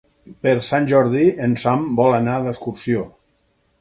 Per Sant Jordi en Sam vol anar d'excursió.